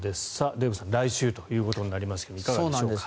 デーブさん来週ということになりますがいかがでしょうか。